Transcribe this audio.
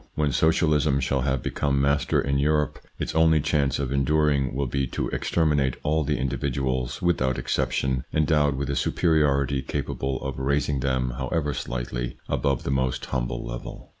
When Socialism shall have become master in Europe, its only chance of enduring will be to exterminate all the individuals without exception endowed with a superiority capable of raising them, however slightly, above the most humble level.